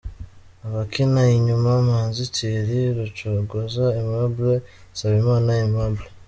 Abakina inyuma: Manzi Thierry, Rucogoza Aimable, Nsabimana Aimable.